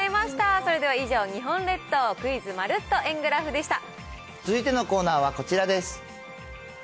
それでは以上、日本列島クイズ！続いてのコーナーはこちらです。